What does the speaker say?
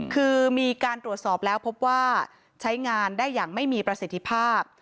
คือมีการตรวจสอบแล้วพบว่าใช้งานได้อย่างไม่มีประสิทธิภาพ